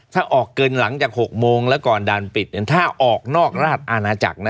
ถ้าออกเกินหลังจาก๖โมงแล้วก่อนด่านปิดถ้าออกนอกราชอาณาจักรนะ